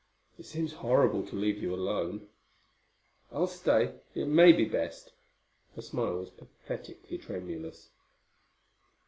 "It seems horrible to leave you alone." "I'll stay. It may be best." Her smile was pathetically tremulous.